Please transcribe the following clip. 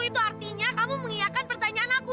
itu artinya kamu mengiakan pertanyaan aku